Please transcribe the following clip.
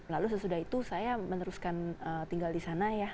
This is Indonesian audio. lalu sesudah itu saya meneruskan tinggal di sana ya